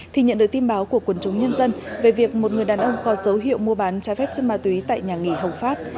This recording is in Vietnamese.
thì nhận được tin báo của quần chúng nhân dân về việc một người đàn ông có dấu hiệu mua bán trái phép chất ma túy tại nhà nghỉ hồng phát